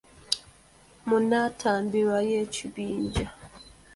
Mu nnantabira y’ekibinja